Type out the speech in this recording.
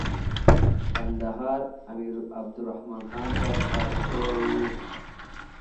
کندهار امیر عبدالرحمن خان ته سپارل سوی وو.